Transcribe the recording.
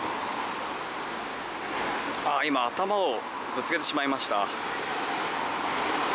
今、頭をぶつけてしまいました。